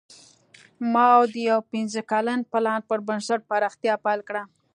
ماوو د یو پنځه کلن پلان پر بنسټ پراختیا پیل کړه.